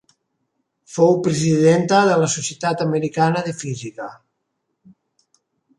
Fou presidenta de la Societat Americana de Física.